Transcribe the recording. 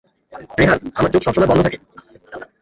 রেহান, আমার চোখ সবসময় বন্ধ থাকে।